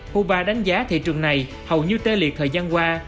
cuba đánh giá thị trường này hầu như tê liệt thời gian qua